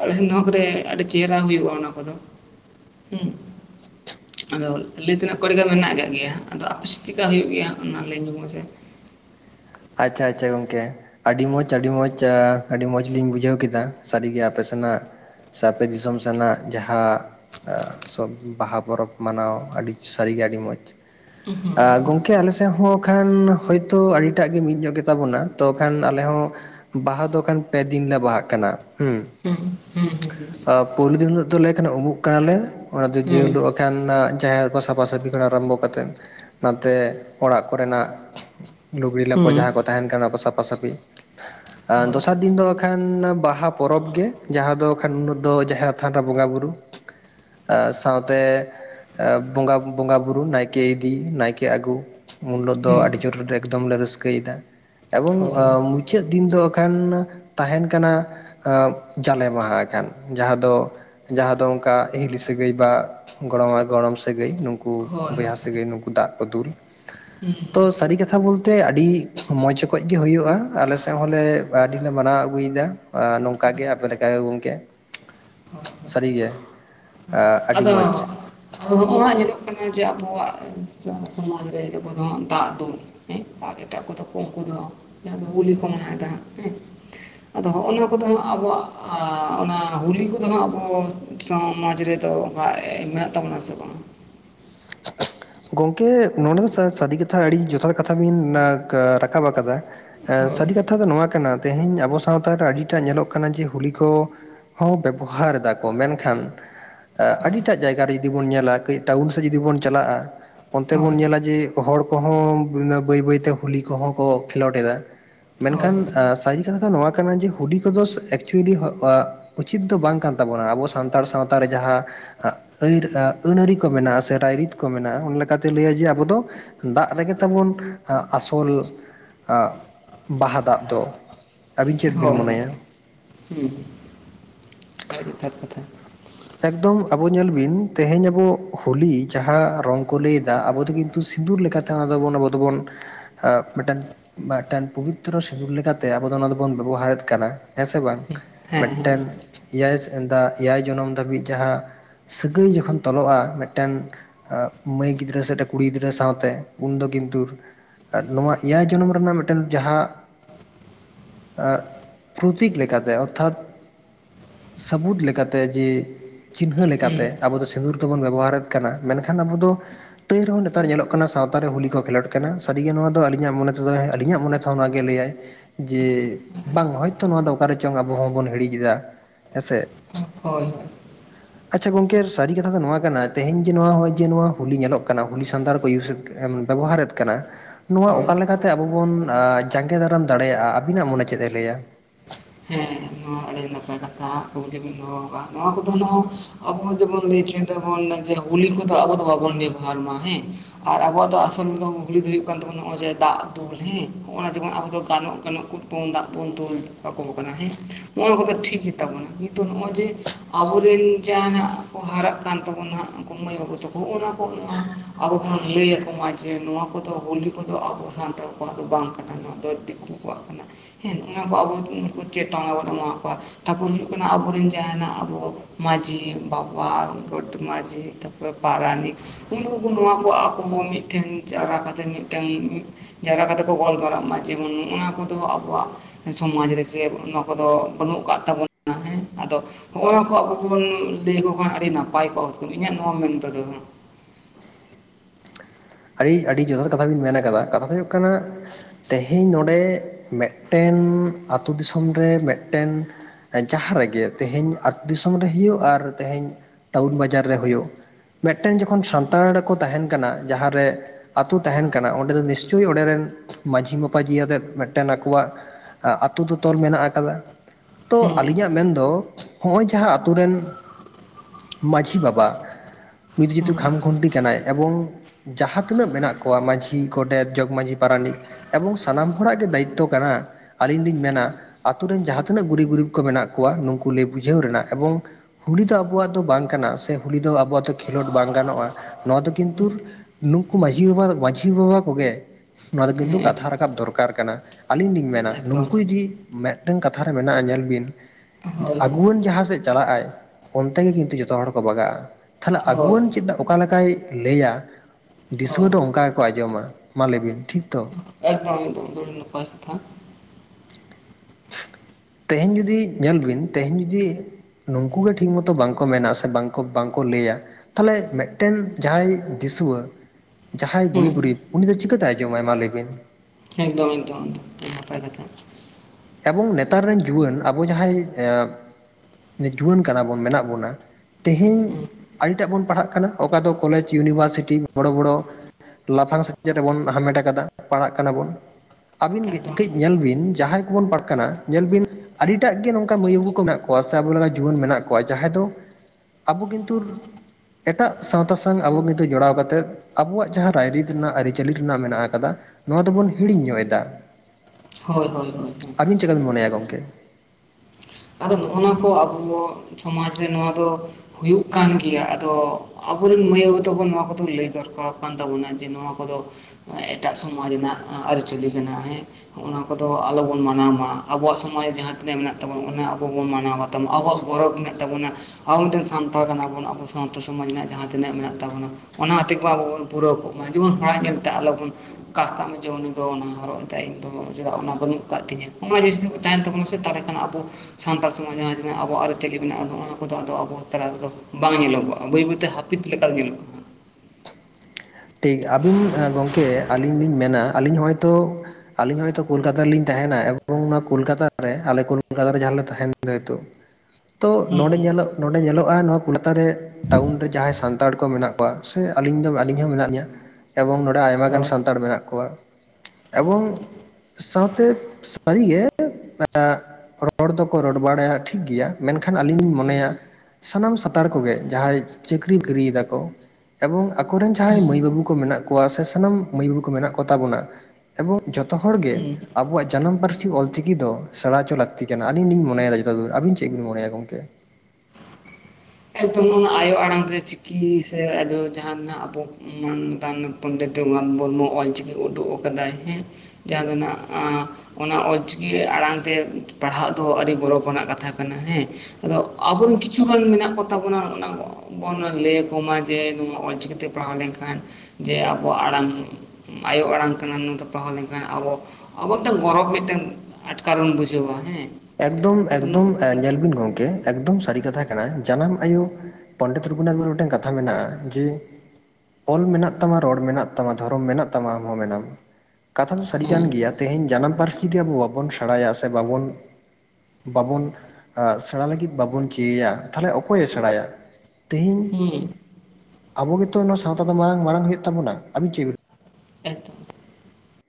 Speaker 2: ᱟᱞᱮ ᱥᱮᱱ ᱫᱚ ᱦᱚᱸ ᱠᱟᱹᱴᱤᱡ ᱟᱹᱰᱤ ᱪᱮᱦᱨᱟ ᱦᱩᱭᱩᱜᱼᱟ ᱚᱱᱟ ᱠᱚᱫᱚ ᱦᱩᱸ ᱟᱫᱚ ᱞᱮᱭ ᱛᱤᱱᱟᱹᱜ ᱠᱚ ᱟᱹᱰᱤᱜᱟᱱ ᱢᱮᱱᱟᱜ ᱠᱟᱜ ᱜᱮᱭᱟ᱾ ᱟᱫᱚ ᱟᱯᱮᱥᱮᱫ ᱪᱮᱜᱠᱟ ᱦᱩᱭᱩᱜ ᱜᱮᱭᱟ ᱚᱱᱟ ᱞᱮᱭ ᱧᱚᱜ ᱢᱮᱥᱮ?
Speaker 1: ᱟᱪᱪᱷᱟ ᱟᱪᱪᱷᱟ ᱜᱚᱝᱠᱮ ᱟᱹᱰᱤ ᱢᱚᱡᱽ, ᱟᱹᱰᱤ ᱢᱚᱡᱽ, ᱟᱹᱰᱤ ᱢᱚᱡᱽ, ᱞᱤᱧ ᱵᱩᱡᱷᱟᱹᱣ ᱠᱮᱫᱟ᱾ᱥᱟᱹᱨᱤᱜᱮ ᱟᱯᱮ ᱥᱮᱱᱟᱜ ᱥᱮ ᱟᱯᱮ ᱫᱤᱥᱚᱢ ᱥᱮᱱᱟᱜ ᱡᱟᱦᱟᱸ ᱥᱚᱵ ᱵᱟᱦᱟ ᱯᱚᱨᱚᱵᱽ ᱢᱟᱱᱟᱣ ᱟᱹᱰᱤ ᱥᱟᱹᱨᱤᱜᱮ ᱟᱹᱰᱤ ᱢᱚᱸᱡᱽ᱾
Speaker 2: ᱦᱩᱸ
Speaker 1: ᱟ ᱜᱚᱝᱠᱮ ᱟᱞᱮ ᱥᱮᱜ ᱦᱚᱸ ᱠᱷᱟᱱ ᱦᱳᱭᱛᱳ ᱟᱹᱰᱤ ᱴᱟᱜ ᱜᱮ ᱢᱤᱫ ᱧᱚᱜ ᱜᱮᱛᱟ ᱵᱚᱱᱟ ᱾ ᱛᱚ ᱠᱷᱟᱱ ᱟᱞᱮ ᱦᱚᱸ ᱵᱟᱦᱟ ᱫᱚ ᱠᱷᱟᱱ ᱯᱮ ᱫᱤᱱ ᱞᱮ ᱵᱟᱦᱟᱜ ᱠᱟᱱᱟ᱾ᱦᱩᱸ
Speaker 2: ᱦᱩᱸ, ᱦᱩᱸ ᱦᱩᱸ ᱦᱩᱸ
Speaker 1: ᱯᱩᱭᱞᱩ ᱫᱤᱱ ᱦᱤᱞᱳᱜ ᱫᱚᱞᱮ ᱠᱟᱱᱟ ᱩᱢᱩᱜ ᱠᱟᱱᱟᱞᱮ ᱚᱱᱟᱫᱚ
Speaker 2: ᱦᱩᱸ
Speaker 1: ᱡᱮ
Speaker 2: ᱦᱩᱸ
Speaker 1: ᱦᱳᱞᱳᱜ ᱟᱠᱷᱟᱱ ᱚᱱᱟ ᱡᱟᱦᱮᱨ ᱠᱚ ᱥᱟᱯᱷᱟᱥᱟᱹᱯᱷᱤ ᱠᱷᱚᱱ ᱟᱨᱟᱢᱵᱷᱚ ᱠᱟᱛᱮ ᱱᱟᱛᱮ ᱚᱲᱟᱜ ᱠᱚᱨᱮᱱᱟᱼᱜ ᱞᱩᱜᱽᱲᱤ ᱞᱟᱯᱚ
Speaker 2: ᱦᱩᱸ
Speaker 1: ᱡᱟᱦᱟᱸ ᱠᱚ ᱛᱟᱦᱮᱱ ᱠᱟᱱᱟ ᱚᱱᱟᱠᱚ ᱥᱟᱯᱷᱟ ᱥᱟᱹᱯᱷᱤ ᱮ
Speaker 2: ᱦᱳᱭ
Speaker 1: ᱫᱚᱥᱟᱨ ᱫᱤᱱ ᱫᱚ ᱮᱠᱷᱟᱱ ᱵᱟ ᱦᱟ ᱯᱚᱨᱚᱵᱽ ᱜᱮ ᱡᱟᱦᱟᱸ ᱫᱚ ᱠᱷᱟᱱ ᱫᱚ ᱡᱟᱦᱟᱸᱭᱟᱜ ᱛᱷᱟᱱ ᱨᱮ ᱵᱚᱸᱜᱟ ᱵᱩᱨᱩ᱾ ᱟᱸᱜ ᱥᱟᱶᱛᱮ ᱵᱚᱸᱜᱟ ᱵᱚᱸᱜᱟ ᱵᱩᱨᱩ ᱱᱟᱭᱠᱮ ᱤᱫᱤ ᱱᱟᱭᱠᱮ ᱟᱜᱩ ᱩᱱᱞᱚᱜ ᱫᱚ
Speaker 2: ᱦᱩᱸ
Speaker 1: ᱟᱹᱰᱤ ᱡᱳᱨ ᱮᱠᱫᱚᱢ ᱞᱮ ᱨᱟᱹᱥᱠᱟᱹᱭᱮᱫᱟ ᱮᱵᱚᱝ
Speaker 2: ᱦᱳᱭ
Speaker 1: ᱟᱼᱼ
Speaker 2: ᱦᱳᱭ
Speaker 1: ᱢᱩᱪᱟᱹᱫ ᱫᱤᱱ ᱫᱚ ᱠᱷᱟᱱ ᱛᱟᱦᱮᱱ ᱠᱟᱱᱟ ᱡᱟᱞᱮ ᱢᱟᱦᱟ ᱮᱠᱷᱟᱱᱼᱼ ᱡᱟᱦᱟᱸ ᱫᱚ ᱡᱟᱦᱟᱸ ᱫᱚ ᱚᱝᱠᱟ ᱦᱤᱞᱤ ᱥᱟᱹᱜᱟᱹᱭ ᱵᱟ ᱜᱚᱲᱚᱢᱟᱜ ᱜᱚᱲᱚᱢ ᱥᱟᱹᱜᱟᱹᱭ ᱱᱚᱼᱼ ᱝᱠᱳ
Speaker 2: ᱦᱳᱭ ᱦᱳᱭ
Speaker 1: ᱵᱚᱭᱦᱟ ᱥᱟᱹᱜᱟᱹᱭ ᱱᱩᱠᱩ ᱫᱟᱜ ᱠᱚ ᱫᱩᱞ
Speaker 2: ᱦᱩᱸ ᱦᱩᱸ
Speaker 1: ᱛᱚ ᱥᱟᱹᱨᱤ ᱠᱟᱛᱷᱟ ᱵᱚᱞᱼᱼ ᱛᱮ ᱟᱹᱰᱤ ᱢᱚᱸᱡᱽ ᱠᱚᱡ ᱜᱮ ᱦᱩᱭᱩᱜᱼᱟ ᱟᱞᱮᱥᱮᱜ ᱦᱚᱸᱞᱮ ᱟᱹᱰᱤᱞᱮ ᱢᱟᱱᱟᱣ ᱟᱹᱜᱩᱭᱮᱫᱟ ᱟ ᱱᱚᱝᱠᱟ ᱜᱮ ᱟᱯᱮ ᱞᱮᱠᱟ ᱜᱮ ᱜᱚᱝᱠᱮᱼᱼ ᱟᱹᱰᱤ
Speaker 2: ᱟᱫᱚᱼᱼ
Speaker 1: ᱢᱚᱸᱡᱽ
Speaker 2: ᱟᱫᱚ ᱦᱚᱸᱜᱼᱚᱭ ᱦᱟᱸᱜ ᱧᱮᱞᱚᱜ ᱠᱟᱱᱟ ᱡᱮ ᱟᱵᱚᱣᱟᱜ ᱥᱚᱢᱟᱡ ᱨᱮ ᱟᱵᱚ ᱫᱚ ᱫᱟᱜ ᱫᱩᱞᱼᱼ ᱦᱮᱸ ᱟᱨ ᱮᱴᱟᱜ ᱠᱚᱫᱚ ᱠᱚᱢ ᱠᱚ ᱫᱚ ᱡᱟᱦᱟᱸ ᱫᱚ ᱦᱩᱞᱤ ᱠᱚ ᱢᱟᱱᱟᱣᱭᱮᱫᱟ ᱦᱟᱸᱜ ᱦᱮᱸᱼᱼ ᱟᱫᱚ ᱦᱚᱸᱜᱼᱚᱱᱟ ᱠᱚᱫᱚ ᱦᱟᱸᱜ ᱟᱵᱚᱣᱟᱜ ᱟ ᱚᱱᱟ ᱦᱩᱞᱤ ᱠᱚᱼᱼ ᱟᱫᱚ ᱦᱟᱸᱜ ᱟᱵᱚ ᱥᱚᱢᱟᱡᱽ ᱨᱮᱫᱚ ᱦᱟᱭ ᱢᱮᱱᱟᱜ ᱛᱟᱵᱚᱱᱟ ᱥᱮ ᱵᱟᱝ?
Speaker 1: ᱜᱚᱝᱠᱮ ᱱᱚᱸᱰᱮ ᱫᱚ ᱥᱟ ᱥᱟᱫᱷᱤ ᱠᱟᱛᱷᱟ ᱟᱹᱲᱤ ᱡᱚᱛᱷᱟᱛ ᱠᱟᱛᱷᱟ ᱵᱤᱱ ᱠᱟ ᱨᱟᱠᱟᱵ ᱠᱟᱫᱟ᱾ ᱮᱸ
Speaker 2: ᱦᱳᱭ
Speaker 1: ᱥᱟᱹᱨᱤ ᱠᱟᱛᱷᱟ ᱫᱚ ᱱᱚᱣᱟ ᱠᱟᱱᱟ ᱛᱮᱦᱮᱧ ᱟᱵᱚ ᱥᱟᱶᱛᱟ ᱨᱮ ᱟᱹᱰᱤᱴᱟᱜ ᱧᱮᱞᱚᱜ ᱠᱟᱱᱟ ᱡᱮ ᱦᱩᱞᱤ ᱠᱚᱼᱼ ᱦᱚᱸ ᱵᱮᱵᱚᱦᱟᱨ ᱫᱟᱠᱚ ᱢᱮᱱ ᱠᱷᱟᱱ ᱟᱹᱰᱤᱴᱟᱜ ᱡᱟᱭᱜᱟ ᱨᱮ ᱡᱩᱫᱤ ᱵᱚᱱ ᱧᱮᱞᱟ ᱠᱟᱹᱡ ᱴᱟᱣᱩᱱ ᱥᱮᱫ ᱡᱩᱫᱤ ᱵᱚᱱ ᱪᱟᱞᱟᱜᱼᱟ ᱚᱱᱛᱮ
Speaker 2: ᱦᱳᱭ
Speaker 1: ᱵᱚᱱ ᱧᱮᱞᱟ ᱡᱮᱼᱼ ᱦᱚᱲ ᱠᱚᱦᱚᱸ ᱵᱟᱹᱭ ᱵᱟᱹᱭ ᱛᱮ ᱦᱩᱞᱤ ᱠᱚᱦᱚᱸ ᱠᱚ ᱠᱷᱮᱞᱳᱰ ᱮᱫᱟ
Speaker 2: ᱦᱳᱭ ᱦᱳᱭ
Speaker 1: ᱢᱮᱱᱠᱷᱟᱱ ᱥᱟᱹᱡᱤ ᱛᱷᱟ ᱠᱚᱫᱚ ᱱᱚᱣᱟ ᱠᱟᱱᱟ ᱡᱮ ᱦᱩᱰᱤ ᱠᱚᱫᱚ ᱮᱠᱪᱩᱭᱮᱞᱤ ᱦᱚᱜ ᱚᱼᱼ ᱩᱪᱤᱛ ᱫᱚ ᱵᱟᱝ ᱠᱟᱱ ᱛᱟᱵᱚᱱᱟ ᱟᱵᱚ ᱥᱟᱱᱛᱟᱲ ᱥᱟᱶᱛᱟ ᱨᱮ ᱡᱟᱦᱟᱸ ᱟᱹᱨ ᱟᱹᱱ ᱟᱹᱨᱤ ᱠᱚ ᱢᱮᱱᱟᱜᱼᱟ ᱥᱮ, ᱨᱟᱭ ᱨᱤᱛ ᱠᱚ ᱢᱮᱱᱟᱜᱼᱟ᱾ ᱚᱱ ᱞᱮᱠᱟᱛᱮ ᱞᱟᱹᱭᱟ ᱡᱮ ᱟᱵᱚ ᱫᱚ ᱫᱟᱜ ᱨᱮᱜᱮ ᱛᱟᱵᱚᱱ ᱟᱥᱚᱞᱼᱼ ᱟᱜ ᱵᱟᱦᱟ ᱫᱟᱜ ᱫᱚ᱾ ᱟᱹᱵᱤᱱ ᱪᱮᱫ ᱵᱤᱱ
Speaker 2: ᱦᱳᱭ
Speaker 1: ᱢᱚᱱᱮᱭᱟ
Speaker 2: ᱦᱩᱸ ᱟᱜ ᱡᱚᱛᱷᱟᱛ ᱠᱟᱛᱷᱟ,
Speaker 1: ᱮᱠᱫᱚᱢ ᱟᱵᱚ ᱧᱮᱞ ᱵᱤᱱ ᱛᱮᱦᱮᱧ ᱟᱵᱚ ᱦᱳᱞᱤ ᱡᱟᱦᱟᱸ ᱨᱚᱝ ᱠᱚ ᱞᱟᱹᱭ ᱫᱟ ᱟᱵᱚ ᱫᱚ ᱠᱤᱼᱼ ᱛᱩ ᱥᱤᱸᱫᱩᱨ ᱞᱮᱠᱟᱛᱮ ᱚᱱᱟ ᱫᱚ ᱵᱚᱱ ᱟᱵᱚ ᱫᱚᱵᱚᱱᱼᱼ ᱟ ᱢᱤᱫᱴᱮᱱ ᱢᱮᱫᱴᱟᱱ ᱯᱚᱵᱤᱛᱨᱚ ᱥᱤᱸᱫᱩᱨ ᱞᱮᱠᱟᱛᱮ ᱟᱵᱚ ᱫᱚ ᱚᱱᱟ ᱫᱚ ᱵᱚᱱ ᱵᱮᱵᱚᱦᱟᱨᱮᱫ ᱠᱟᱱᱟ᱾ ᱦᱮᱸ ᱥᱮ ᱵᱟᱝ
Speaker 2: ᱦᱮᱸ ᱦᱮᱸ
Speaker 1: ᱢᱤᱫᱴᱮᱱ ᱮᱭᱟᱭ ᱥᱮ ᱫᱟ ᱮᱭᱟᱭ ᱡᱚᱱᱚᱢ ᱫᱷᱟᱹᱵᱤᱡ ᱡᱟᱦᱟᱸᱼᱼ ᱥᱟᱹᱜᱟᱹᱭ ᱡᱚᱠᱷᱚᱱ ᱛᱚᱞᱚᱜᱼᱟ ᱢᱮᱫᱴᱮᱱᱼᱼ ᱟᱸ ᱢᱟᱹᱭ ᱜᱤᱫᱽᱨᱟᱹ ᱥᱮ ᱠᱩᱲᱤ ᱜᱤᱫᱽᱨᱟᱹ ᱥᱟᱶᱛᱮ ᱩᱱ ᱫᱚ ᱠᱤᱱᱛᱩᱼᱼ ᱟᱨ ᱱᱚᱣᱟ ᱮᱭᱟᱭ ᱡᱚᱱᱚᱢ ᱨᱮᱱᱟᱜ ᱢᱤᱫᱴᱮᱱ ᱡᱟᱦᱟᱸᱼᱼ ᱟᱜ ᱯᱨᱚᱛᱤᱠ ᱞᱮᱠᱟᱛᱮ, ᱚᱨᱛᱷᱟᱛ ᱥᱟᱹᱵᱩᱫ ᱞᱮᱠᱟᱛᱮ ᱡᱮ ᱪᱤᱱᱦᱟᱹ ᱞᱮᱠᱟᱛᱮ ᱟᱵᱚ ᱫᱚ ᱥᱤᱸᱫᱩᱨ ᱫᱚᱵᱚᱱ ᱵᱮᱵᱚᱦᱟᱨᱮᱫ ᱠᱟᱱᱟ ᱢᱮᱱᱠᱷᱟᱱ ᱟᱵᱚ ᱫᱚᱼᱼ ᱛᱟᱹᱭ ᱨᱮ ᱦᱚᱸ ᱱᱮᱛᱟᱨ ᱧᱮᱞᱚᱜ ᱠᱟᱱᱟ ᱥᱟᱶᱛᱟ ᱨᱮ ᱦᱩᱞᱤ ᱠᱚ ᱠᱷᱮᱞᱳᱰ ᱠᱟᱱᱟ ᱥᱟᱹᱨᱤ ᱜᱮ ᱱᱚᱣᱟ ᱫᱚ ᱟᱹᱞᱤᱧᱟᱜ ᱢᱚᱱᱮ ᱛᱮᱫᱚ ᱟᱹᱞᱤᱧᱟᱜ ᱢᱚᱱᱮᱼᱼ ᱛᱷᱚ ᱚᱱᱟ ᱜᱮ ᱞᱟᱹᱭ ᱟᱭ ᱡᱮ ᱵᱟᱝ ᱦᱚᱭᱛᱳ ᱱᱚᱣᱟ ᱫᱚ ᱚᱠᱟ ᱨᱮ ᱪᱚᱝ ᱟᱵᱚ ᱦᱚᱸ ᱵᱚᱱ ᱦᱤᱲᱤᱡ ᱫᱟ, ᱦᱮ ᱥᱮᱼᱼ
Speaker 2: ᱚᱜᱼᱚᱭ,
Speaker 1: ᱟᱪᱪᱷᱟ ᱜᱚᱝᱠᱮ ᱥᱟᱹᱨᱤ ᱠᱟᱛᱷᱟ ᱫᱚ ᱱᱚᱣᱟ ᱠᱟᱱᱟ ᱛᱮᱦᱮᱧ ᱡᱮ ᱱᱚᱣᱟ ᱱᱚᱜᱼᱚᱭ ᱡᱮ ᱱᱚᱣᱟ ᱦᱳᱞᱤ ᱧᱮᱞᱚᱜ ᱠᱟᱱᱟ ᱦᱳᱞᱤ ᱥᱟᱱᱛᱟᱲ ᱠᱚ ᱤᱭᱩᱥ ᱮᱫᱼᱼ ᱮᱢ ᱵᱮᱵᱚᱦᱟᱨᱮᱫ ᱠᱟᱱᱟ᱾ ᱱᱚᱣᱟ
Speaker 2: ᱦᱳᱭ
Speaker 1: ᱚᱠᱟ ᱞᱮᱠᱟᱛᱮ ᱟᱵᱚ ᱵᱚᱱ ᱮᱸ ᱡᱟᱸᱜᱮ ᱫᱟᱨᱟᱢ ᱫᱟᱲᱮᱭᱟᱜᱼᱟ ᱟᱹᱵᱤᱱᱟᱜ ᱢᱚᱱᱮ ᱪᱮᱫ ᱮ ᱞᱟᱹᱭᱟ?
Speaker 2: ᱦᱮᱸ ᱱᱚᱣᱟ ᱟᱹᱰᱤ ᱱᱟᱯᱟᱭ ᱠᱟᱛᱷᱟ ᱜᱚᱝᱠᱮ ᱵᱤᱱ ᱫᱚᱦᱚ ᱠᱟᱜᱼᱟ, ᱱᱚᱣᱟ ᱠᱚᱫᱚ ᱟᱵᱚ ᱦᱚ ᱡᱮᱢᱚᱱ ᱞᱟᱹᱭ ᱪᱷᱚᱭ ᱫᱟᱵᱚᱱ ᱡᱮ ᱦᱩᱞᱤ ᱠᱚᱫᱚ ᱟᱵᱚ ᱫᱚ ᱵᱟᱵᱚᱱ ᱵᱮᱵᱟᱨ ᱢᱟ ᱦᱮᱸ ᱟᱨ ᱟᱵᱚᱣᱟᱜ ᱫᱚ ᱟᱥᱚᱞ ᱫᱚ ᱜᱩᱩᱽᱜᱞᱤ ᱫᱚ ᱦᱩᱭᱩᱜ ᱠᱟᱱ ᱛᱟᱵᱚᱱᱟ ᱱᱚᱜᱼᱚᱭ ᱡᱮ ᱫᱟᱜ ᱫᱩᱞ ᱦᱮᱸ ᱦᱚᱜᱼᱚᱱᱟ ᱡᱮᱢᱚᱱ ᱟᱵᱚ ᱫᱚ ᱜᱟᱱᱚᱜ ᱜᱟᱱᱚᱜ ᱠᱩᱫ ᱠᱚᱵᱚᱱ ᱫᱟᱜ ᱵᱚᱱ ᱫᱩᱞ ᱟᱠᱚ ᱠᱟᱱᱟ ᱦᱮᱸ ᱱᱚᱭᱟ ᱠᱚᱫᱚ ᱴᱷᱤᱠ ᱜᱮ ᱛᱟᱵᱚᱱᱟ ᱱᱤᱛᱚᱜ ᱱᱚᱜᱼᱚᱭ ᱡᱮ ᱟᱵᱚ ᱨᱮᱱ ᱡᱟᱦᱟᱸᱱᱟᱜ ᱠᱚ ᱦᱟᱨᱟᱜ ᱠᱟᱱ ᱛᱟᱵᱚᱱᱟ ᱦᱟᱸᱜ ᱩᱱᱠᱩ ᱢᱟᱹᱭ ᱵᱟᱹᱵᱩ ᱛᱟᱠᱚ ᱦᱚᱸᱜ ᱚᱱᱟ ᱠᱚ ᱱᱚᱣᱟ ᱟᱵᱚ ᱵᱚᱱ ᱞᱟᱹᱭᱟ ᱠᱚᱢᱟ ᱡᱮ ᱱᱚᱣᱟ ᱠᱚᱫᱚ ᱦᱳᱞᱤ ᱠᱚᱫᱚ ᱟᱵᱚ ᱥᱟᱱᱛᱟᱲ ᱠᱚᱣᱟᱜ ᱫᱚ ᱵᱟᱝ ᱠᱟᱱᱟ, ᱱᱚᱣᱟ ᱫᱚ ᱫᱤᱠᱩ ᱫᱤᱠᱩᱣᱟᱜ ᱠᱟᱱᱟ᱾ ᱦᱮᱸ ᱱᱚᱜ ᱚᱱᱟ ᱠᱚ ᱟᱵᱚ ᱩᱱᱠᱩ ᱪᱮᱛᱟᱣᱱᱟ ᱵᱚᱱ ᱮᱢᱟᱜ ᱠᱚᱣᱟ, ᱛᱟᱨ ᱯᱚᱨ ᱦᱩᱭᱩᱜ ᱠᱟᱱᱟ ᱟᱵᱚ ᱨᱮᱱ ᱡᱟᱦᱟᱸᱱᱟᱜ ᱟᱵᱚ ᱢᱟᱹᱡᱷᱤ ᱵᱟᱵᱟ, ᱜᱚᱴ ᱢᱟᱹᱡᱷᱤ ᱛᱟᱨᱯᱚᱨᱮ ᱯᱟᱨᱟᱱᱤᱠ, ᱩᱱᱠᱩ ᱠᱚ ᱵᱚᱱ [UNINTELLIGIBLE] ᱠᱚᱣᱟ, ᱟᱠᱚ ᱦᱚᱸ ᱢᱤᱫ ᱴᱷᱮᱱ ᱡᱟᱣᱨᱟ ᱠᱟᱛᱮᱫ ᱢᱤᱫᱴᱮᱝ ᱡᱟᱣᱨᱟ ᱠᱟᱛᱮ ᱠᱚ ᱜᱟᱞᱢᱟᱨᱟᱜ ᱢᱟ ᱡᱮᱢᱚᱱ ᱱᱚᱜᱼᱚᱱᱟ ᱠᱚᱫᱚ ᱟᱵᱚᱣᱟᱜ ᱥᱚᱢᱟᱡᱽ ᱨᱮ ᱥᱮ ᱟᱵᱚᱣᱟᱜ ᱱᱚᱣᱟ ᱠᱚᱫᱚ ᱵᱟᱹᱱᱩᱜ ᱠᱟᱜ ᱛᱟᱵᱚᱱᱟ, ᱦᱮᱸ ᱟᱫᱚ ᱦᱚᱸᱜ ᱱᱚᱣᱟ ᱠᱚ ᱟᱵᱚ ᱠᱚᱵᱚᱱ ᱞᱟᱹᱭᱟ ᱟᱠᱚ ᱠᱷᱟᱱ ᱟᱹᱰᱤ ᱱᱟᱯᱟᱭ ᱠᱚᱜᱼᱟ ᱦᱩᱛᱠᱟᱹᱢ ᱤᱧᱟᱜ ᱱᱚᱣᱟ ᱢᱮᱱ ᱛᱮᱫᱚ ᱦᱟᱸᱜ᱾
Speaker 1: ᱟᱹᱰᱤ ᱟᱹᱰᱤ ᱡᱚᱛᱷᱟᱛ ᱠᱟᱛᱷᱟ ᱵᱤᱱ ᱢᱮᱱᱟ ᱠᱟᱫᱟ, ᱠᱟᱛᱷᱟ ᱫᱚ ᱦᱩᱭᱩᱜ ᱠᱟᱱᱟ ᱛᱮᱦᱮᱧ ᱱᱚᱰᱮ ᱢᱮᱫᱴᱮᱱ ᱟᱛᱩ ᱫᱤᱥᱚᱢ ᱨᱮ ᱢᱮᱫᱴᱮᱱ ᱡᱟᱦᱟᱸ ᱨᱮᱜᱮ ᱛᱮᱦᱤᱧ ᱟᱛᱩ ᱫᱤᱥᱚᱢ ᱨᱮ ᱦᱩᱭᱩᱜ ᱟᱨ ᱛᱮᱦᱤᱧ ᱴᱟᱣᱩᱱ ᱵᱟᱡᱟᱨ ᱨᱮ ᱦᱩᱭᱩᱜ, ᱢᱮᱫᱴᱮᱱ ᱡᱚᱠᱷᱚᱱ ᱥᱟᱱᱛᱟᱲ ᱠᱚ ᱛᱟᱦᱮᱸᱱ ᱠᱟᱱᱟ ᱡᱟᱦᱟᱸ ᱨᱮ ᱟᱛᱩ ᱛᱟᱦᱮᱸᱱ ᱠᱟᱱᱟ, ᱚᱸᱰᱮ ᱫᱚ ᱱᱤᱥᱪᱳᱭ ᱚᱸᱰᱮ ᱨᱮᱱ ᱢᱟᱹᱡᱷᱤ ᱢᱟᱯᱟᱡᱷᱤ ᱟᱛᱮᱫ ᱢᱤᱫᱴᱮᱱ ᱟᱠᱚᱣᱟᱜ ᱟᱛᱩ ᱫᱚ ᱛᱚᱞ ᱢᱮᱱᱟᱜ ᱟᱠᱟᱫᱟ᱾ ᱛᱚ ᱟᱹᱞᱤᱧᱟᱜ
Speaker 2: ᱦᱩᱸ
Speaker 1: ᱢᱮᱱ ᱫᱚ ᱦᱚᱸᱜ-ᱚᱭ ᱡᱟᱦᱟᱸ ᱟᱛᱳ ᱨᱮᱱ ᱢᱟᱺᱡᱷᱤ ᱵᱟᱵᱟ, ᱱᱤᱛ ᱡᱮᱦᱮᱛᱩ ᱠᱷᱟᱢ ᱠᱷᱩᱱᱴᱤ ᱠᱟᱱᱟᱭ ᱮᱵᱚᱝ ᱡᱟᱦᱟᱸ ᱛᱤᱱᱟᱹᱜ ᱢᱮᱱᱟᱜ ᱠᱚᱣᱟ ᱢᱟᱺᱡᱷᱤ, ᱜᱚᱰᱮᱛ, ᱡᱚᱜᱽ ᱢᱟᱺᱡᱷᱤ, ᱯᱟᱨᱟᱱᱤᱠ, ᱮᱵᱚᱝ ᱥᱟᱱᱟᱢ ᱦᱚᱲᱟᱜ ᱜᱮ ᱫᱟᱭᱤᱠᱛᱚ ᱠᱟᱱᱟ᱾ ᱟᱹᱞᱤᱧ ᱞᱤᱧ ᱢᱮᱱᱟ ᱟᱛᱩ ᱨᱮᱱ ᱡᱟᱦᱟᱸ ᱛᱤᱱᱟᱹᱜ ᱜᱩᱨᱤᱵ ᱜᱩᱨᱤᱵ ᱠᱚ ᱢᱮᱱᱟᱜ ᱠᱚᱣᱟ ᱱᱩᱠᱩ ᱞᱟᱹᱭ ᱵᱩᱡᱷᱟᱹᱣ ᱨᱮᱱᱟᱜ, ᱮᱵᱚᱝ ᱦᱩᱞᱤ ᱫᱚ ᱟᱵᱚᱣᱟᱜ ᱫᱚ ᱵᱟᱝ ᱠᱟᱱᱟ ᱥᱮ ᱦᱩᱞᱤ ᱫᱚ ᱟᱵᱚᱣᱟᱜ ᱫᱚ ᱠᱷᱮᱞᱳᱰ ᱵᱟᱝ ᱜᱟᱱᱚᱜᱼᱟ, ᱱᱚᱣᱟ ᱫᱚ ᱠᱤᱱᱛᱩ ᱱᱩᱝᱠᱩ ᱢᱟᱡᱷᱤ ᱵᱟᱵᱟ ᱢᱟᱡᱷᱤ ᱵᱟᱵᱟ ᱠᱚᱜᱮ ᱱᱚᱣᱟ ᱫᱚ ᱠᱤᱱᱛᱩ
Speaker 2: ᱦᱮᱸ
Speaker 1: ᱠᱟᱛᱷᱟ ᱨᱟᱠᱟᱵ ᱫᱚᱨᱠᱟᱨ ᱠᱟᱱᱟ᱾ ᱟᱞᱤᱧ ᱞᱤᱧ ᱢᱮᱱᱟ
Speaker 2: ᱮᱠᱫᱚᱢ
Speaker 1: ᱱᱩᱠᱩ ᱡᱤ ᱢᱮᱫᱴᱟᱝ ᱠᱟᱛᱷᱟ ᱨᱮ ᱢᱮᱱᱟᱜᱼᱟ ᱧᱮᱞ ᱵᱤᱱ,
Speaker 2: ᱦᱳᱭ ᱦᱳᱭ
Speaker 1: ᱟᱜᱷᱩᱣᱟᱹᱱ ᱡᱟᱦᱟᱸ ᱥᱮᱜ ᱪᱟᱞᱟᱜ ᱟᱭ ᱚᱱᱛᱮ ᱜᱮ ᱠᱤᱱᱛᱩ ᱡᱚᱛᱚ ᱦᱚᱲ ᱠᱚ ᱵᱟᱜᱟᱜᱼᱟ᱾ ᱛᱟᱦᱚᱞᱮ ᱟᱜᱷᱩᱣᱟᱹᱱ ᱪᱮᱫ ᱚᱠᱟ ᱞᱮᱠᱟᱭ ᱞᱟᱹᱭᱟ ᱫᱤᱥᱩᱣᱟᱹ
Speaker 2: ᱦᱳᱭ
Speaker 1: ᱫᱚ ᱚᱱᱠᱟ ᱜᱮᱠᱚ ᱟᱸᱡᱚᱢᱟ, ᱢᱟ ᱞᱟᱹᱭ ᱵᱤᱱ ᱴᱷᱤᱠ ᱛᱚ?
Speaker 2: ᱮᱠᱫᱚᱢ ᱮᱠᱫᱚᱢ [INAUDIBLE] ᱱᱟᱯᱟᱭ ᱠᱟᱛᱷᱟ᱾
Speaker 1: ᱛᱮᱦᱮᱧ ᱡᱩᱫᱤ ᱧᱮᱞ ᱵᱤᱱ ᱛᱮᱦᱮᱧ ᱡᱩᱫᱤ ᱱᱩᱝᱠᱩ ᱜᱮ ᱴᱷᱤᱠ ᱢᱚᱛᱚ ᱵᱟᱝ ᱠᱚ ᱢᱮ ᱥᱮ ᱵᱟᱝ ᱠᱚ ᱵᱟᱝ ᱠᱚ ᱞᱟᱹᱭᱟ, ᱛᱟᱦᱟᱞᱮ ᱢᱮᱫᱴᱮᱱ ᱡᱟᱦᱟᱸᱭ ᱫᱤᱥᱩᱣᱟᱹ ᱡᱟᱦᱟᱸᱭ
Speaker 2: ᱦᱩᱸ
Speaker 1: ᱜᱩᱱᱤ ᱜᱩᱨᱤᱵᱽ ᱩᱱᱤ ᱫᱚ ᱪᱤᱠᱟᱹᱛᱮᱭ ᱟᱸᱡᱚᱢᱟᱭ, ᱢᱟ ᱞᱟᱹᱭ ᱵᱤᱱ?
Speaker 2: ᱮᱠᱫᱚᱢ ᱮᱠᱫᱚᱢ ᱮᱠᱫᱚᱢ, ᱟᱰᱤ ᱱᱟᱯᱟᱭ ᱠᱟᱛᱷᱟ᱾
Speaker 1: ᱮᱵᱚᱝ ᱱᱮᱛᱟᱨ ᱨᱮᱱ ᱡᱩᱣᱟᱹᱱ ᱟᱵᱚ ᱡᱟᱦᱟᱸᱭ ᱮᱸ, ᱡᱩᱣᱟᱹᱱ ᱠᱟᱱᱟ ᱵᱚᱱ ᱢᱮᱱᱟᱜ ᱵᱚᱱᱟ᱾ ᱛᱮᱦᱤᱧ
Speaker 2: ᱦᱩᱸ
Speaker 1: ᱟᱹᱰᱤ ᱴᱟᱜ ᱵᱚᱱ ᱯᱟᱲᱦᱟᱜ ᱠᱟᱱᱟ ᱚᱠᱟ ᱫᱚ ᱠᱚᱞᱮᱡᱽ, ᱤᱭᱩᱱᱤᱵᱷᱟᱨᱥᱤᱴᱤ ᱵᱚᱲᱚ ᱵᱚᱲᱚ ᱞᱟᱯᱷᱟᱝ ᱥᱮᱪᱮᱫ ᱨᱮᱵᱚᱱ ᱦᱟᱢᱮᱴ ᱟᱠᱟᱫᱟ, ᱯᱟᱲᱦᱟᱜ ᱠᱟᱱᱟ ᱵᱚᱱ ᱟᱹᱵᱤᱱ ᱜᱮ
Speaker 2: ᱮᱠᱫᱚᱢ
Speaker 1: ᱠᱟᱹᱡ ᱧᱮᱞ ᱵᱤᱱ ᱡᱟᱦᱟᱸᱭ ᱠᱚᱵᱚᱱ [INAUDIBLE] ᱠᱟᱱᱟ, ᱧᱮᱞ ᱵᱤᱱ ᱟᱹᱰᱤ ᱴᱟᱜ ᱜᱮ ᱱᱚᱝᱠᱟ ᱢᱟᱹᱭ ᱵᱟᱹᱵᱩ ᱠᱚ ᱢᱮᱱᱟᱜ ᱠᱚᱣᱟ ᱥᱮ ᱟᱵᱚ ᱞᱮᱠᱟ ᱡᱩᱣᱟᱹᱱ ᱢᱮᱱᱟᱜ ᱠᱚᱣᱟ, ᱡᱟᱦᱟᱸᱭ ᱫᱚ ᱟᱵᱚ ᱠᱤᱱᱛᱩ ᱮᱴᱟᱜ ᱥᱟᱶᱛᱟ ᱥᱟᱝ ᱟᱵᱚ ᱱᱤᱛᱚᱜ ᱡᱚᱲᱟᱣ ᱠᱟᱛᱮᱫ ᱟᱵᱚᱣᱟᱜ ᱡᱟᱦᱟᱸ ᱨᱟᱭᱨᱤᱛ ᱨᱮᱱᱟᱜ ᱟᱹᱨᱤ ᱪᱟᱹᱞᱤ ᱨᱮᱱᱟᱜ ᱢᱮᱱᱟᱜ ᱟᱠᱟᱫᱟ, ᱱᱚᱣᱟ ᱫᱚᱵᱚᱱ ᱦᱤᱲᱤᱧ ᱧᱚᱜ ᱮᱫᱟ᱾
Speaker 2: ᱦᱳᱭ ᱦᱳᱭ ᱦᱳᱭ ᱦᱳᱭ᱾
Speaker 1: ᱟᱹᱵᱤᱱ ᱪᱮᱫ ᱠᱟ ᱵᱤᱱ ᱢᱚᱱᱮᱭᱟ ᱜᱚᱝᱠᱮ?
Speaker 2: ᱟᱫᱚ ᱱᱚᱜᱼᱚᱱᱟ ᱠᱚ ᱟᱵᱚ ᱥᱚᱢᱟᱡᱽ ᱨᱮ ᱱᱚᱣᱟ ᱫᱚ ᱦᱩᱭᱩᱜ ᱠᱟᱱ ᱜᱮᱭᱟ, ᱟᱫᱚ ᱟᱵᱚ ᱨᱮᱱ ᱢᱟᱹᱭ ᱵᱟᱹᱵᱩ ᱛᱟᱠᱚ ᱱᱚᱣᱟ ᱠᱚᱫᱚ ᱞᱟᱹᱭ ᱫᱚᱨᱠᱟᱨᱚᱜ ᱠᱟᱱ ᱛᱟᱵᱚᱱᱟ, ᱡᱮ ᱱᱚᱣᱟ ᱠᱚᱫᱚ ᱮᱴᱟᱜ ᱥᱚᱢᱟᱡᱽ ᱨᱮᱱᱟᱜ ᱟᱹᱨᱤ ᱪᱟᱹᱞᱤ ᱠᱟᱱᱟ ᱦᱮᱸ ᱦᱚᱱᱟ ᱠᱚᱫᱚ ᱟᱞᱚᱵᱚᱱ ᱢᱟᱱᱟᱣ ᱢᱟ ᱟᱵᱚᱣᱟᱜ ᱥᱚᱢᱟᱡᱽ ᱡᱟᱦᱟᱸ ᱛᱤᱱᱟᱹᱜ ᱢᱮᱱᱟᱜ ᱛᱟᱵᱚᱱᱟ᱾ ᱚᱱᱟ ᱟᱵᱚ ᱵᱚᱱ ᱢᱟᱱᱟᱣ ᱵᱟᱛᱟᱣ ᱢᱟ ᱟᱵᱚᱣᱟᱜ ᱜᱚᱨᱚᱵᱽ ᱢᱮᱱᱟᱜ ᱛᱟᱵᱚᱱᱟ᱾ ᱟᱵᱚ ᱢᱤᱫᱴᱮᱱ ᱥᱟᱱᱛᱟᱲ ᱠᱟᱱᱟ ᱵᱚᱱ ᱟᱵᱚ ᱥᱟᱶᱛᱟ ᱥᱚᱢᱟᱡᱽ ᱨᱮᱱᱟᱜ ᱡᱟᱦᱟᱸ ᱛᱤᱱᱟᱹᱜ ᱢᱮᱱᱟᱜ ᱛᱟᱵᱚᱱᱟ ᱚᱱᱟ ᱦᱚᱛᱮᱫ ᱟᱵᱚ ᱵᱚᱱ ᱯᱩᱨᱟᱹᱣ ᱠᱚᱜ ᱢᱟ ᱡᱮᱢᱚᱱ ᱦᱚᱲᱟᱜ ᱧᱮᱞᱛᱮ ᱟᱞᱚᱵᱚᱱ ᱠᱟᱥᱛᱟᱜ ᱟᱢ ᱡᱮᱢᱚᱱ ᱫᱚ ᱚᱱᱟ ᱦᱚᱨᱚᱜ ᱮᱫᱟᱭ ᱤᱧ ᱫᱚ ᱪᱮᱫᱟᱜ ᱚᱱᱟ ᱵᱟᱹᱱᱩᱜ ᱠᱟᱜ ᱛᱤᱧᱟᱹ ᱚᱱᱟ ᱡᱤᱱᱤᱥ ᱜᱮᱵᱚᱱ ᱛᱟᱦᱮᱱ ᱛᱟᱵᱚᱱᱟ ᱥᱮ ᱛᱟᱦᱮᱞᱮ ᱠᱷᱟᱱ ᱟᱵᱚ ᱥᱟᱱᱛᱟᱲ ᱥᱚᱢᱟᱡᱽ ᱡᱟᱦᱟᱸ ᱟᱵᱚᱣᱟᱜ ᱟᱹᱨᱤᱪᱟᱹᱞᱤ ᱢᱮᱱᱟᱜᱼᱟ ᱟᱫᱚ ᱚᱱᱟ ᱠᱚᱫᱚ ᱟᱫᱚ ᱟᱵᱚ ᱛᱟᱞᱟ ᱨᱮᱫᱚ ᱵᱟᱝ ᱧᱮᱞᱚᱜᱚᱜᱼᱟ ᱵᱟᱹᱭ ᱵᱟᱹᱭ ᱛᱮ ᱦᱟᱯ ᱯᱤᱛ ᱞᱮᱠᱟ ᱧᱮᱞᱚᱜᱼᱟ᱾
Speaker 1: ᱴᱷᱤᱠ ᱟᱹᱵᱤᱱ ᱟᱸ ᱜᱚᱝᱠᱮ ᱟᱹᱞᱤᱧ ᱞᱤᱧ ᱢᱮᱱᱟ ᱟᱞᱤᱧ ᱦᱚᱭᱛᱚ ᱟᱞᱤᱧ ᱦᱚᱭᱛᱚ ᱠᱳᱞᱠᱟᱛᱟ ᱨᱮᱞᱤᱧ ᱛᱟᱦᱮᱱᱟ ᱮᱵᱚᱝ ᱚᱱᱟ ᱠᱳᱞᱠᱟᱛᱟ ᱨᱮ ᱟᱞᱮ ᱠᱳᱞᱠᱟᱛᱟ ᱨᱮ ᱡᱟᱦᱟᱸ ᱞᱮ ᱛᱟᱦᱮᱱ ᱫᱚ ᱦᱚᱭᱛᱚ ᱛᱚ
Speaker 2: ᱦᱩᱸ
Speaker 1: ᱱᱚᱸᱰᱮ
Speaker 2: ᱦᱩᱸ
Speaker 1: ᱧᱮᱞᱚᱜ ᱱᱚᱸᱰᱮ ᱧᱮᱞᱚᱜᱼᱟ ᱱᱚᱣᱟ ᱠᱳᱞᱟᱛᱟ ᱨᱮ ᱴᱟᱣᱩᱱ ᱨᱮ ᱡᱟᱦᱟᱸᱭ ᱥᱟᱱᱛᱟᱲ ᱠᱚ ᱢᱮᱱᱟᱜ ᱠᱚᱣᱟ ᱥᱮ ᱟᱞᱤᱧ ᱫᱚ ᱟᱞᱤᱧ ᱦᱚᱸ ᱢᱮᱱᱟᱜ ᱧᱟᱸ ᱮᱵᱚᱝ ᱱᱚᱸᱰᱮ ᱟᱭᱢᱟ ᱜᱟᱱ
Speaker 2: ᱦᱳᱭ
Speaker 1: ᱥᱟᱱᱛᱟᱲ ᱢᱮᱱᱟᱜ ᱠᱚᱣᱟ ᱮᱵᱚᱝ ᱥᱟᱶ ᱛᱮ ᱥᱟᱹᱨᱤ ᱜᱮ [UNINTELLIGIBLE] ᱨᱚᱲ ᱫᱚᱠᱚ ᱨᱚᱲ ᱵᱟᱲᱟᱭᱟ ᱴᱷᱤᱠ ᱜᱮᱭᱟ ᱢᱮᱱᱠᱷᱟᱱ ᱟᱞᱤᱧ ᱞᱤᱧ ᱢᱚᱱᱮᱭᱟ ᱥᱟᱱᱟᱢ ᱥᱟᱛᱟᱲ ᱠᱚᱜᱮ ᱡᱟᱦᱟᱸᱭ ᱪᱷᱟᱹᱠᱨᱤ ᱵᱟᱹᱠᱨᱤᱭ ᱫᱟᱠᱚ ᱮᱵᱚᱝ ᱟᱠᱚ ᱨᱮᱱ
Speaker 2: ᱦᱩᱸ
Speaker 1: ᱡᱟᱦᱟᱸᱭ ᱢᱟᱹᱭ ᱵᱟᱹᱵᱩ ᱠᱚ ᱢᱮᱱᱟᱜ ᱠᱚᱣᱟ ᱥᱮ ᱥᱟᱱᱟᱢ ᱢᱟᱹᱭ ᱵᱟᱹᱵᱩ ᱠᱚ ᱢᱮᱱᱟᱜ ᱠᱚᱛᱟ ᱵᱚᱱᱟ ᱮᱵᱚᱝ ᱡᱷᱚᱛᱚ ᱦᱚᱲ ᱜᱮ
Speaker 2: ᱦᱩᱸ
Speaker 1: ᱟᱵᱚᱣᱟᱜ ᱡᱟᱱᱟᱢ ᱯᱟᱹᱨᱥᱤ ᱚᱞ ᱪᱤᱠᱤ ᱫᱚ ᱥᱮᱬᱟ ᱦᱚᱪᱚ ᱞᱟᱹᱠᱛᱤ ᱠᱟᱱᱟ ᱟᱹᱞᱤᱧ ᱞᱤᱧ ᱢᱚᱱᱮᱭᱟ ᱡᱚᱛᱚ ᱫᱩᱨ ᱟᱵᱤᱱ ᱪᱮᱫ ᱵᱤᱱ ᱢᱚᱱᱮᱭᱟ ᱜᱚᱝᱠᱮ?
Speaker 2: ᱮᱠᱫᱚᱢ ᱱᱚᱱᱟ ᱟᱭᱳ ᱟᱲᱟᱝ ᱛᱮ ᱪᱤᱠᱤ ᱥᱮ ᱟᱫᱚ ᱡᱟᱦᱟᱸᱱᱟᱜ ᱟᱵᱚ ᱢᱟᱱᱚᱛᱟᱱ ᱯᱚᱱᱰᱤᱛ ᱨᱟᱹᱜᱷᱩᱱᱟᱛᱷ ᱢᱩᱨᱢᱩ ᱚᱞᱪᱤᱠᱤ ᱩᱰᱩᱜ ᱠᱟᱫᱟᱭ ᱦᱮᱸ ᱡᱟᱦᱟᱸ ᱫᱚ ᱱᱟᱸᱜ-ᱟᱸ ᱚᱱᱟ ᱚᱞᱪᱤᱠᱤ ᱟᱲᱟᱝ ᱛᱮ ᱯᱟᱲᱦᱟᱜ ᱫᱚ ᱟᱹᱰᱤ ᱜᱚᱨᱚᱵᱽ ᱟᱱᱟᱜ ᱠᱟᱛᱷᱟ ᱠᱟᱱᱟ᱾ ᱦᱮᱸ ᱟᱫᱚ ᱟᱵᱚ ᱨᱮᱱ ᱠᱤᱪᱷᱩ ᱜᱟᱱ ᱢᱮᱱᱟᱜ ᱠᱚᱛ ᱛᱟᱵᱩᱱᱟ ᱚᱱᱟ ᱵᱚᱱ ᱞᱟᱹᱭ ᱟᱠᱚ ᱢᱟ ᱡᱮ ᱱᱚᱣᱟ ᱚᱞᱪᱤᱠᱤ ᱛᱮ ᱯᱟᱲᱦᱟᱣ ᱞᱮᱱᱠᱷᱟᱱ ᱡᱮ ᱟᱵᱚᱣᱟᱜ ᱟᱲᱟᱝ ᱟᱭᱳ ᱟᱲᱟᱝ ᱠᱟᱱᱟ ᱱᱚᱣᱟ ᱛᱮ ᱯᱟᱲᱦᱟᱣ ᱞᱮᱱᱠᱷᱟᱱ ᱟᱵᱚ ᱟᱵᱚ ᱛᱮ ᱜᱚᱨᱚᱵᱽ ᱢᱤᱫᱴᱮᱱ ᱟᱴᱠᱟᱨ ᱵᱚᱱ ᱵᱩᱡᱷᱟᱹᱣᱟ ᱦᱮᱸ᱾
Speaker 1: ᱮᱠᱫᱚᱢ
Speaker 2: ᱟᱫᱚ
Speaker 1: ᱮᱠᱫᱚᱢ ᱮᱸᱻ ᱧᱮᱞ ᱵᱤᱱ ᱜᱚᱝᱠᱮ᱾ ᱮᱠᱫᱚᱢ ᱥᱟᱹᱨᱤ ᱠᱟᱛᱷᱟ ᱠᱟᱱᱟ, ᱡᱟᱱᱟᱢ ᱟᱭᱳ ᱯᱚᱱᱰᱤᱛ ᱨᱟᱹᱜᱷᱩᱱᱟᱛᱷ ᱢᱩᱨᱢᱩ ᱢᱤᱫᱴᱮᱱ ᱠᱟᱛᱷᱟ ᱢᱮᱱᱟᱜᱼᱟ᱾ ᱡᱮ ᱚᱞ ᱢᱮᱱᱟᱜ ᱛᱟᱢᱟ ᱨᱚᱲ ᱢᱮᱱᱟᱜ ᱛᱟᱢᱟ ᱫᱷᱚᱨᱚᱢ ᱢᱮᱱᱟᱜ ᱛᱟᱢᱟ ᱟᱢᱦᱚᱸ ᱢᱮᱱᱟᱢ᱾ ᱠᱟᱛᱷᱟ ᱫᱚ ᱥᱟᱹᱨᱤ
Speaker 2: ᱦᱮᱸ
Speaker 1: ᱠᱟᱱ ᱜᱮᱭᱟ ᱛᱮᱦᱤᱧ ᱡᱟᱱᱟᱢ ᱯᱟᱹᱨᱥᱤ ᱡᱩᱫᱤ ᱟᱵ ᱵᱟᱵᱚᱱ ᱥᱮᱬᱟᱭᱟ ᱥᱮ ᱵᱟᱵᱚᱱ ᱵᱟᱵᱚᱱ ᱟᱸ ᱥᱮᱬᱟ ᱞᱟᱹᱜᱤᱫ ᱵᱟᱵᱚᱱ ᱪᱟᱹᱭᱟ ᱛᱟᱦᱞᱮ ᱚᱠᱚᱭᱮ ᱥᱮᱬᱟᱭᱟ᱾ ᱛᱮᱦᱮᱧ
Speaker 2: ᱦᱮᱸ
Speaker 1: ᱟᱵᱚᱜᱮᱛᱚ ᱱᱚᱣᱟ ᱥᱟᱶᱛᱟ ᱫᱚ ᱢᱟᱝ ᱢᱟᱲᱟᱝ ᱦᱩᱭᱩᱜ ᱛᱟᱵᱚᱱᱟ᱾ ᱟᱵᱤᱱ ᱪᱮᱫ
Speaker 2: ᱮᱠᱫᱚᱢ